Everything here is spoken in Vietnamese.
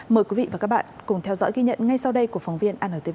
mời quý vị và các bạn cùng theo dõi ghi nhận ngay sau đây của phóng viên antv